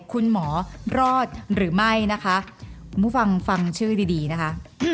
คุณหมอรอดหรือไม่นะคะคุณผู้ฟังฟังชื่อดีดีนะคะ